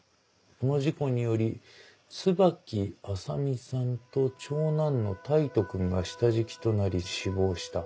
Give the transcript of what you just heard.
この事故により椿朝美さんと長男の大斗君が下敷きとなり死亡した」。